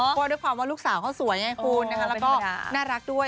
เพราะว่าด้วยความว่าลูกสาวเขาสวยไงคุณนะคะแล้วก็น่ารักด้วย